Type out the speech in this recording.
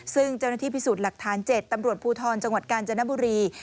ซึ่งเจ้าหน้าที่พิสูจน์หลักฐาน๗ตำรวจภูทรจังหวัดกาญจนบุรี